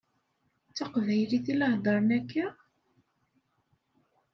D taqbaylit i la heddeṛen akka?